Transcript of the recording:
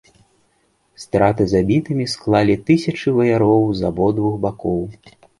Страты забітымі склалі тысячы ваяроў з абодвух бакоў.